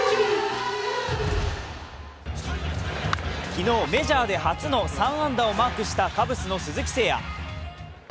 昨日、メジャーで初の３安打をマークしたカブスの鈴木誠也。